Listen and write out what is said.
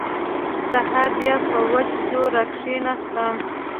سهار بيا په وچ زور راکښېناستم.